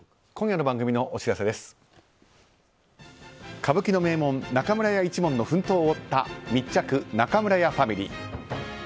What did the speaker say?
歌舞伎の名門中村屋一門の奮闘を追った「密着！中村屋ファミリー」。